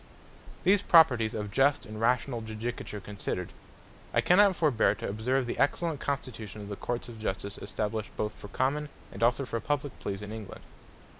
These properties of just and rationall Judicature considered, I cannot forbeare to observe the excellent constitution of the Courts of Justice, established both for Common, and also for Publique Pleas in England.